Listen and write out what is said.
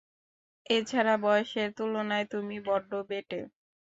এছাড়া বয়সের তুলনায় তুমি বড্ড বেঁটে।